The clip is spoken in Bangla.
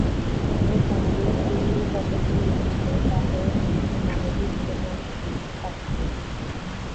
তাঁর কাব্যে ধর্মীয় পটভূমি থাকলেও তা হয়ে উঠেছে মানবিক প্রেমোপাখ্যান।